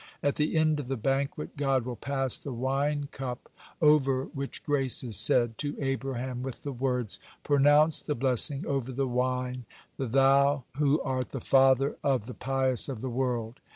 At the end of the banquet, God will pass the wine cup over which grace is said, to Abraham, with the words: "Pronounce the blessing over the wine, thou who art the father of the pious of the world."